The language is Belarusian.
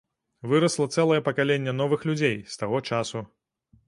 Вырасла цэлае пакаленне новых людзей з таго часу.